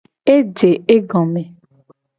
Eje egome.